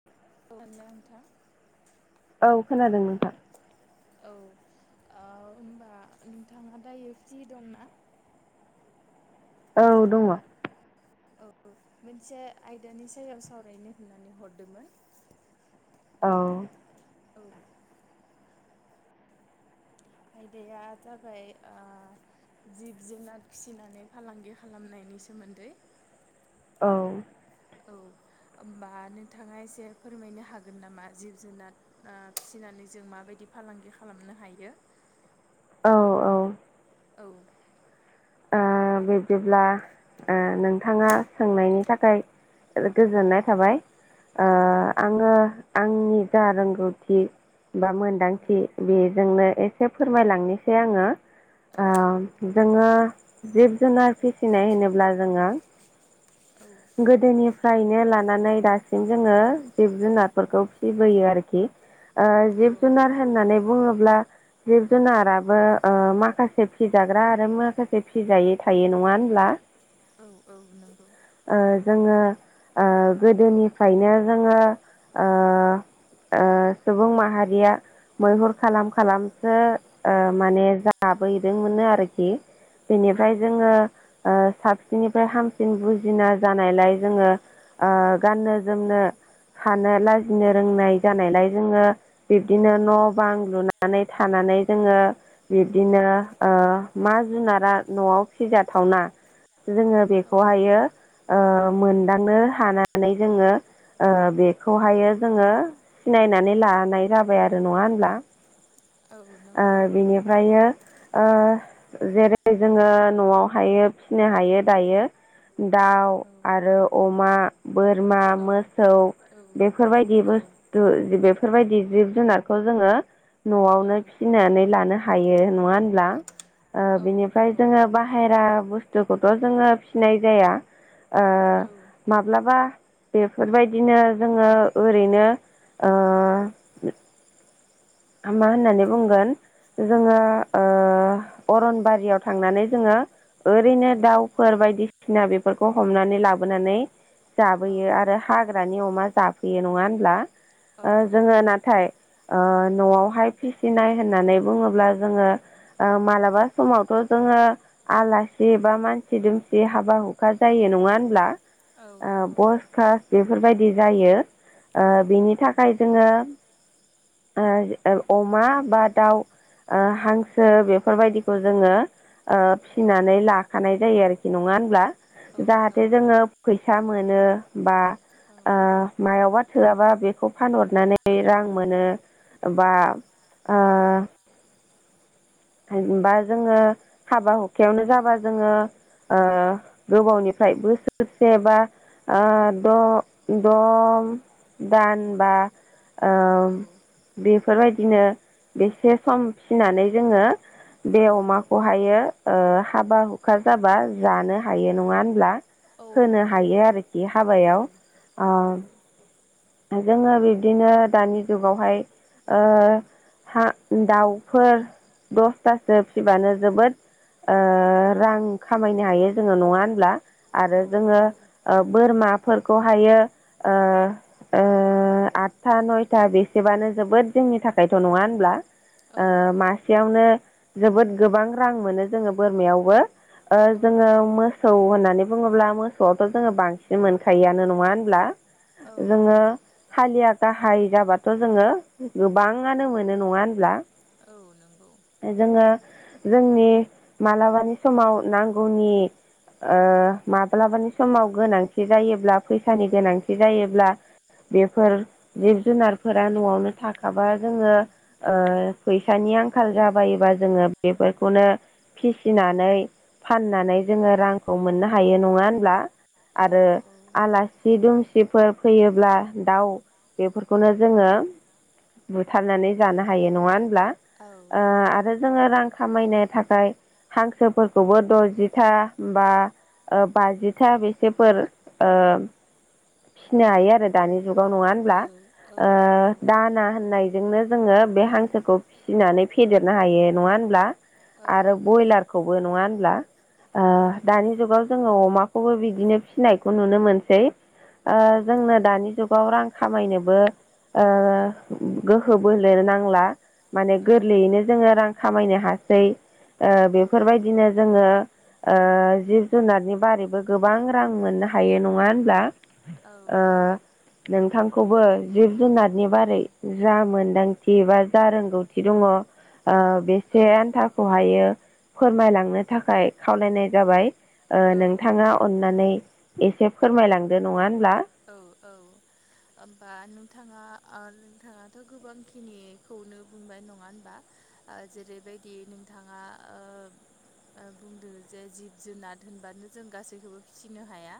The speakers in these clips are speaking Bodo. [inaudible] [unintelligible] नोंथां औ खोनादों नोंथां। औ ओ होनबा नोंथाङा दायो फ्रि दंना? औ दङ। औ मोनसे आयदानि सायाव सावरायनो होननानै हरदोंमोन। औ औ आयदाया जाबाय ओ जिब जुनार फिसिनानै फालांगि खालामनायनि सोमोन्दै औ औ ओमबा नोंथाङा एसे फोरमायनो हागोन नामा जिब जुनार ओ फिसिनानै जों माबायदि फालांगि खालामनो हायो। औ औ औ ओ बिब्दिब्ला ओ नोंथाङा सोंनायनि थाखाय गोजोननाय थाबाय। ओ औ आङो आंनि जा रोंगौथि बा औ मोनदांथि बेजोंनो एसे फोरमायलांनोसै आङो। औ। ओ नोंथां जोङो जिब जुनार फिसिनाय होनोब्ला जोङो औ। गोदोनिफ्रायनो लानानै दासिम जोङो जिब जुनारफोरखौ फिसिबोयो आरोखि ओ जिब जुनार होननानै बुङोब्ला जिब जुनाराबो ओ माखासे फिजाग्रा आरो माखासे फिजायै थायो नङा होनब्ला? औ औ नोंगौ। ओ जोङो ओ गोदोनिफ्रायनो जोङो ओ। ओ सुबुं माहारिया मैहुर खालाम खालामसो ओ माने जाबोदोंमोननो आरोखि। औ बेनिफ्राय जोङो औ ओ साबसिननिफ्राय हामसिन बुजि जिना जानायलाय जोङो ओ गाननो जोमनो हानो लाजिनो रोंनाय जानायलाय जोङो बिब्दिनो न' बां लुनानै थानानै जोङो बिब्दिनो ओ मा जुनारा न'आव फिजाथावना जोङो औ बेखौहायो ओ मोनदांनो हानानै जोङो ओ बेखौहायो जोङो सिनायनानै लानाय जाबाय आरो नङा होनब्ला? औ ओ नंगौ बिनिफ्रायओ। ओ जेरै जोङो न'आव हायो फिसिनो हायो दायो दाउ औ आरो अमा। बोरमा औ मोसौ औ बेफोरबायदिबो दु बेफोरबायदि जिब जुनारखौ जोङो औ न'आवनो फिन्नानै लानो हायो नङा होनब्ला ओ औ बिनिफ्राय नंगौ जोङो बाहेरा बुस थुफोरखौथ जोङो फिनाय जाया ओ। औ माब्लाबा बेफोरबायदिनो जोङो ओरैनो ओ। मा होननानै बुंगोन। जोङो ओ अरनबारियाव थांनानै जोङो। औ ओरैनो दाउफोर बायदिसिना बेफोरखौ हमनानै लाबोनानै औ जाबोयो आरो। हाग्रानि अमा जाफैयो नङा होनब्ला औ ओ जोङो नंगौ नाथाय ओ। न'आवहाय फिसिनाय होननानै बुङोब्ला जोङो। ओ मालाबा समावथ' जोङो। आलासि बा मानसि दुमसि हाबा हुखा जायो नङा होनब्ला। औ ओ नंगौ बस कास बेफोरबायदि जायो ओ औ बिनि थाखाय जोङो। ओ ओ अमा बा दाउ ओ हांसो बेफोरबायदिखौ जोङो। ओ फिसिनानै लाखानाय जायो आरोखि नङा होनब्ला। औ जाहाथे नंगौ जोङो फैसा मोनो बा औ ओ मायावबा। थोआबा बेखौ फानहरनानै रां मोनो बा ओ। हाय बा जोङो हाबा हुखायावनो जाबा जोङो। ओ गोबावनिफ्राय बोसोरसे बा। ओ द' द' दानबा। ओ औ बेफोरबायदिनो बेसे सम फिसिनानै जोङो। बे औ अमाखौहायो हाबा हुखा जाबा जानो हायो नङा होनब्ला। औ औ। बे हाबायाव ओ। जोङो बिब्दिनो दानि जुगावहाय ओ। हा दाउफोर दसथासो फिबानो जोबोद। ओ रां खामायनो हायो जोङो नङा होनब्ला। औ आरो जोङो नंगौ ओ बोरमाफोरखौहायो ओ ओ। आदथा नयथा बेसेबानो जोबोद जोंनि थाखायथ' नङा होनब्ला औ ओ नंगौ मासेयावनो जोबोद गोबां रां मोनो जोङो बोरमायावबो ओ औ जोङो मोसौ होननानै बुङोब्ला मोसौआवथ' जोङो बांसिन मोनखायोआनो नङा होनब्ला। औ जोङो नंगौ हालिया गाहाय जाबाथ' जोङो गोबाङानो मोनो नङा होनब्ला। औ नंगौ। ओ जोङो जोंनि मालाबानि समाव नांगौनि ओ माब्लाबानि समाव गोनांथि जायोब्ला फैसानि गोनांथि जायोब्ला बेफोर जिब जुनारफोरा न'आवनो थाखाबा जोङो। ओ फैसानि आंखाल जाबायोबा जोङो बेफोरखौनो फिसिनानै फाननानै जोङो रांखौ मोननो हायो नङा होनब्ला औ आरो आलासि दुमसिफोर फैयोब्ला दाउ बेफोरखैनो जोङो। बुथारनानै जानो हायो नङा होनब्ला औ ओ नंगौ आरो। जोङो रां खामायनो थाखाय हांसोफोरखौबो दजिथा बा ओ बाजिथा बेसेफोर ओ फिनो हायो आरो दानि जुगाव नङा होनब्ला। औ नंगौ औ ओ औ नंगौ औ दाना होननायजोंनो जोङो बे हांसोखौ फि फिसिनानै फेदेरनो हायो नङा होनब्ला आरो ब्रयलारखौबो नङा होनब्ला। ओ दानि जुगाव जोङो अमाखौबो बिदिनो फिनायखौ नुनो मोनसै। ओ जोंनो दानि जुगाव रां खामायनोबो ओ गोहो बोलो नांला माने औ गोरलैयैनो जोङो रां खामायनो हासै ओ बेफोरबायदिनो जोङो। ओ जिब जुनारनि बारैबो गोबां रां मोननो हायो नङा होनब्ला। औ ओ नोंथांखौबो जिब जुनारनि बारै जा मोनदांथि बा जा रोंगौथि दङ। ओ औ बेसे औ आन्थाखौ हायो फोरमायलांनो थाखाय खावलायनाय जाबाय। ओ औ नोंथाङा अननानै एसे फोरमायलांदो नङा होनोमब्ला। औ औ। होमबा नोंथाङा नोंथाङाथ' गोबांखिनिखौनो बुंनाय नङा होनोमबा। ओ जेरै'बायदि नोंथाङा ओ ओ बुंदो जे जिब जुनार होनब्लानो जों गासैखौबो फिसिनो हाया।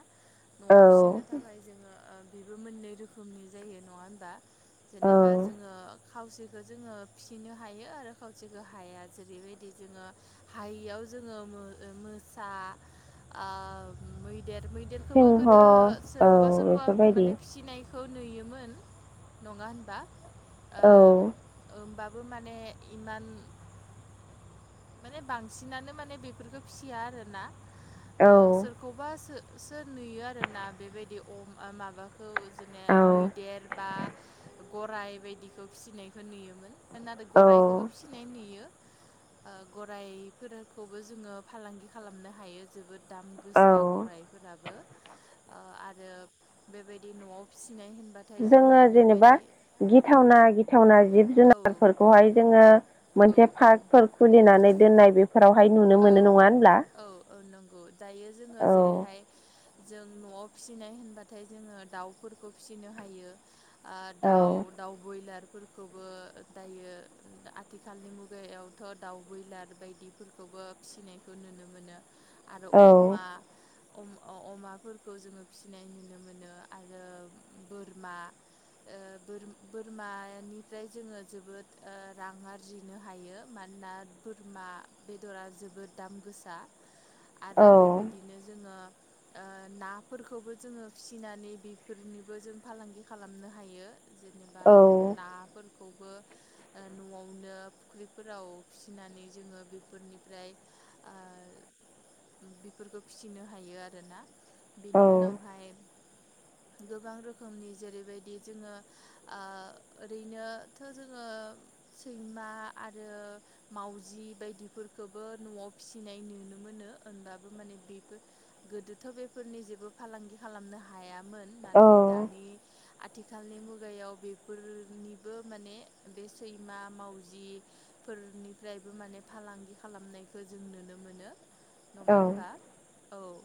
औ न'आव फिसिनो थाखाय जोङो ओ बेबो मोननै रोखोमनि जायो नङा होनबा? औ जेनेबा जोङो। खावसेखौ जोङो फिसिनो हायो आरो खावसेखौ हाया जेरै'बायदि जोङो हायियाव जोङो मो मोसा ओ मैदेर मैदेर खौबो सिंह गोदो औ सोरखौबा सोरखौबा बेफोरबायदि माने फिसिनाय खौ नुयोमोन नङा होनबा औ ओ ओमबाबो माने इमान माने बांसिनानो माने बेफोरखौ फिसियाल आरो ना ओ औ सोरखौबा सो सोर नुयो आरो ना बेबायदि अम माबा खौ जेननो औ मैदेर बा गराइ बायदिखौ फिसिनायखौ नुयोमोन नादाय गराइखौबो औ फिसिनाय नुयो। ओ गराइफोरखौबो जोङो फालांगि खालामनो हायो जोबोद दाम गोसा औ गराइ फोराबो ओ आरो बेबायदि न'आव फिसिनाय होनबा जोङो जेनेबा गिथावना गिथावना जिब औ जुनारफोरखौहाय जोङो औ मोनसे औ पार्कफोर खुलिनानै दोननाय बे फोरावहाय नु औ औ औ नंगौ दायो जोङो औ जेरैहाय जों न' आव‌ फिसिनाय होनबाथाय जोङो दाउफोरखौ फिसिनो हायो आ औ दाउ दाउ ब्रयलारफोरखौबो दायो आथिखालनि मुगायावथ' दाउ ब्रयलार बायदिफोरखौबो फिसिनायखौ नुनो मोनो आरो औ अमा अम अमाफोरखौ जोङो फिसिनाय नुनो मोनो आरो बोरमा ओ बोर बोरमानिफ्राय जोङो जोबोद ओ रां आर जिनो हायो मानोना बोरमा बेदरा जोबोद दाम गोसा औ औ आरो बेबायदिनो जोङो ओ नाफोरखौबो जोङो फिसिनानै बेफोरनिबो जों फालांगि खालामनो हायो जेनेबा नाफोर खौबो न'आवनो फुख्रिफोराव फिसिनानै जोङो बे बेफोरनिफ्राय आ बेफोरखौ फिसिनो हायो आरोना बिनि उनावहाय गोबां रोखोमनि जेरैबायदि जोङो आ ओरैनोथ' जोङो सैमा आरो मावजि बायदि फोरफोरखोबो न'आव फिसिनाय नुनो मोनो ओनबाबो माने बेबो गोदोथ' बेफोरनि जेबो फालांगि खालामनो हायामोन नाथाय दानि आथिखालनि मुगायाव बेफोर निबो माने बे सैमा मावजि फोर निफ्रायबो माने फालांगि खालामनायखौ जों नुनो मोनो नङा होनबा औ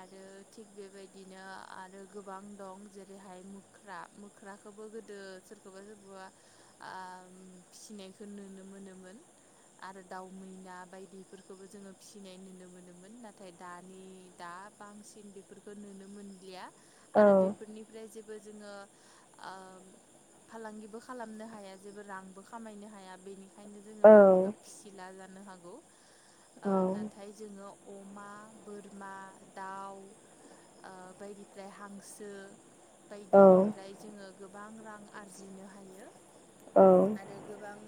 आरो थिग बेबायदिनो आरो गोबां दं जेरैहाय [unintelligible] फ्रा मोख्राखोबो गोदो सोरखोबा सोरखोबा आ फिसिनायखौ नुनो मोनोमोन आरो दाउ मैना बायदिफोरखौबो जोङो फिसिनाय नुनो मोनोमोन नाथाय दानि दा बांसिन बेफोरखौ नुनो मोनलिया आरो बेफोरनि फ्राय जेबो जोङो आ [unintelligible] फालांगिबो खालामनो हाया जेबो रांबो खामायनो हाया बेनि खायनो जोङो बेफोरखौ फिसिला जानो हागौ ओ नाथाय जोङो अमा बोरमा दाउ ओमफ्राय बिनिफ्राय हांसो औ बायदिनिफ्राय जोङो गोबां रां आरजिनो हायो। औ आरो गोबां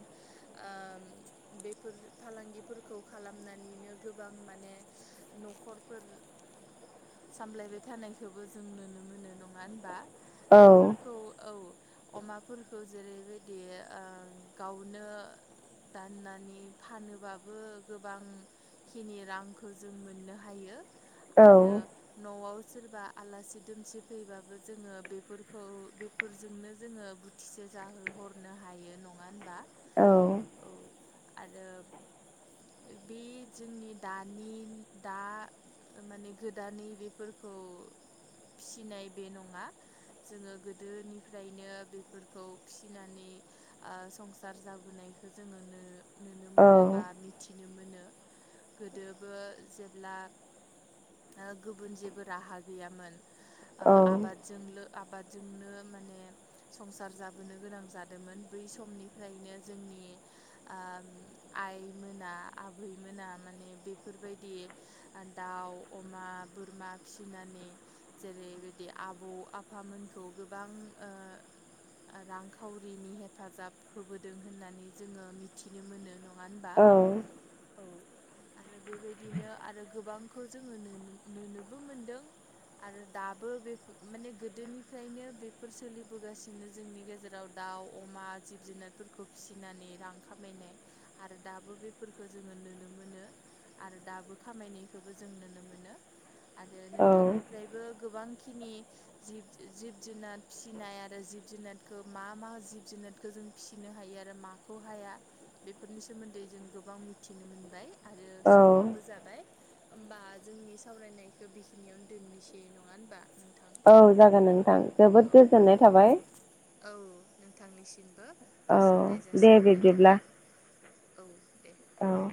ओ बे फोर फालांगिफोरखौ खालामनानैनो गोबां माने न'खरफोर सामलायबाय थानायखोबो जों नुनो मोनो नङा होनबा बेफोरखौ औ अमाफोरखौ जेरैबायदि ओ गावनो दाननानि फानोबाबो गोबां खिनि रांखो जों मोननो हायो। आरो न' आव सोरबा आलासि दुमसि फैबाबो जोङो बेफोरखौ बे फोरजोंनो जोङो बुथिसे जाहोहरनो हायो नङा होनबा औ आरो बे जोंनि दानि दा माने गोदानै बेफोरखौ फिसिनाय बे नङा। जोङो गोदोनिफ्रायनो बेफोरखौ फिनानै ओ संसार जाबोनायखौ जोङो नो नुनो मोनो बा मिथिनो मोनो गोदोबो जेब्ला ओ गुबुन जेबो राहा गैयामोन ओ आबाद जोंलो आबादजोंनो माने संसार जाबोनो गोनां जादोंमोन बै समनिफ्रायनो जोंनि आ आइ मोना आबैमोना माने बेफोरबायदि दाउ अमा बोरमा फिसिनानै जेरैबायदि आबौ आफामोनखौ गोबां ओ ओ रांखावरिनि हेफाजाब होबोदों होननानै जोङो मिथि बिनो मोनो नङा होनबा? औ आरो बेबायदिनो आरो गोबांखौ जोङो नो नोबो मोनदों। आरो दाबो बे माने गोदोनिफ्रायनो बेफोर सोलिबोगासिनो जोंनि गेजेराव। दाउ अमा जिब जुनारफोरखौ फिसिनानै रां खामायनाय आरो दाबो बेफोरखौ जोङो नुनो मोनो। आरो दाबो खामायनायखौबो जों नुनो मोनो। आरो नोंथांनिफ्रायबो गोबांखिनि जिब जुनाद फिसिनाय आरो जिब जुनादखौ मा मा जिब जुनाद खौ जों फिसिनो हायो आरो माखौ हाया? बेफोरनि सोमोन्दै जों गोबां मिथिनो मोनबाय आरो समाबो जाबाय ओमबा जोंनि सावरायनायखौ बेखिनियावनो दोननोसै नङा होनबा नोंथां औ जागोन नोंथां जोबोद औ गोजोननाय दे थाबाय औ नोंथांनिसिमबो औ गोजोननाय दे जासिहरनाय बिब्दिब्ला थाबाय औ दे औ